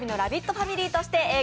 ファミリーとしてＡぇ！